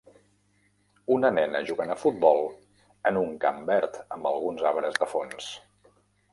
Una nena jugant a futbol en un camp verd amb alguns arbres de fons.